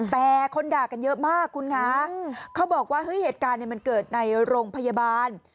แต่คนด่ากันเยอะมากคุณคะเขาบอกว่าเฮ้ยเหตุการณ์มันเกิดในโรงพยาบาล